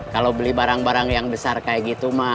kalau beli barang barang yang besar kayak gitu mah